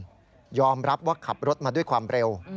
ก็ยอมรับว่าขับรถมาด้วยความเร็ว